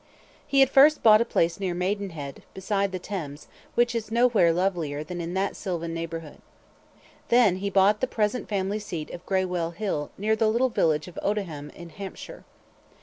He had first bought a place near Maidenhead, beside the Thames, which is nowhere lovelier than in that sylvan neighbourhood. Then he bought the present family seat of Greywill Hill near the little village of Odiham in Hampshire.